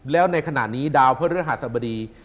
แล้วในขณะนี้ดาวเพื่อเรือหัสบดี